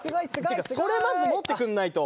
てかそれまず持ってくんないと。